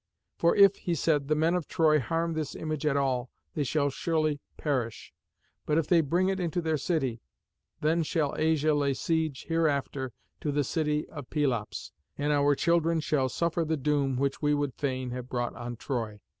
For if,' he said, 'the men of Troy harm this image at all, they shall surely perish; but if they bring it into their city, then shall Asia lay siege hereafter to the city of Pelops, and our children shall suffer the doom which we would fain have brought on Troy.'"